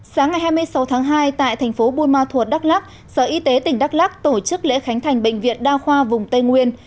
sáng ngày hai mươi sáu tháng hai tại thành phố buôn ma thuột đắk lắc sở y tế tỉnh đắk lắc tổ chức lễ khánh thành bệnh viện đa khoa vùng tây nguyên